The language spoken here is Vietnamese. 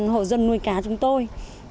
hộ dân nuôi cá chúng tôi